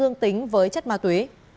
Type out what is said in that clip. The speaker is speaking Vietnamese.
dương tính với chất ma túy